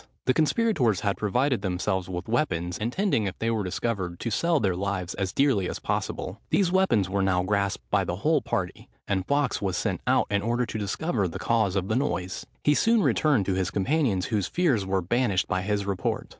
The conspirators had provided themselves with weapons, intending, if they were discovered, to sell their lives as dearly as possible. These weapons were now grasped by the whole party; and Fawkes was sent out in order to discover the cause of the noise. He soon returned to his companions, whose fears were banished by his report.